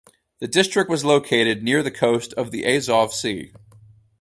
The district was located near the coast of the Azov Sea.